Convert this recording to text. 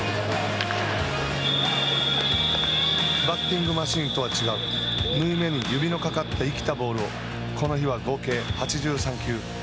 バッティングマシーンとは違う縫い目に指のかかった生きたボールをこの日は合計８３球。